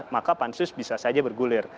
maka pansus bisa saja bergulir